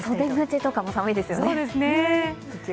袖口とかも寒いですよね。